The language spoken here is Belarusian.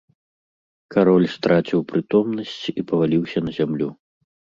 Кароль страціў прытомнасць і паваліўся на зямлю.